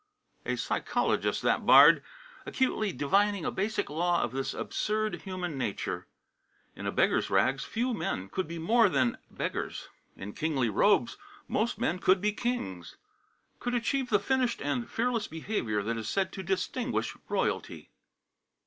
A psychologist, that Bard! acutely divining a basic law of this absurd human nature. In a beggar's rags few men could be more than beggars. In kingly robes, most men could be kings; could achieve the finished and fearless behaviour that is said to distinguish royalty.